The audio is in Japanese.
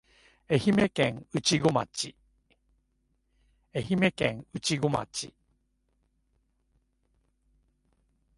愛媛県内子町